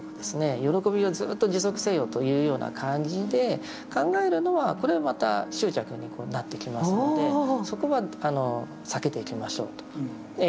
喜びをずっと持続せよというような感じで考えるのはこれはまた執着になってきますのでそこは避けていきましょうという感じですね。